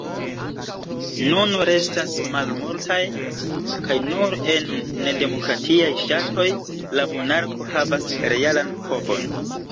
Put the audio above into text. Nun restas malmultaj, kaj nur en nedemokratiaj ŝatoj la monarko havas realan povon.